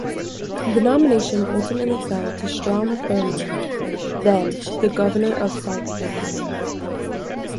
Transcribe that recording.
The nomination ultimately fell to Strom Thurmond, then the governor of South Carolina.